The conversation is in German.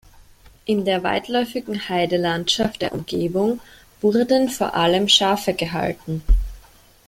In der weitläufigen Heidelandschaft der Umgebung wurden vor allem Schafe gehalten.